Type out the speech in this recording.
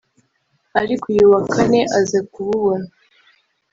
ariko uyu wa Kane aza kububona